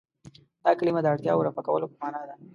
دا کلمه د اړتیاوو رفع کولو په معنا ده.